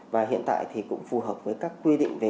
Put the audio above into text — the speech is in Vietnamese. và hiện tại thì cũng phù hợp với các quy định về